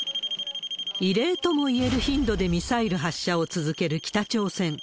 異例ともいえる頻度でミサイル発射を続ける北朝鮮。